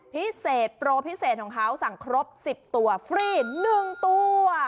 พิเศษโปรพิเศษของเขาสั่งครบ๑๐ตัวฟรี๑ตัว